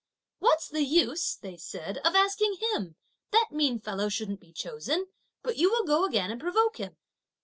"What's the use," they said, "of asking him? that mean fellow shouldn't be chosen, but you will go again and provoke him."